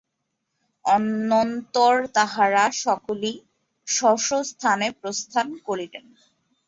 অনন্তর তাঁহারা সকলেই স্ব স্ব স্থানে প্রস্থান করিলেন।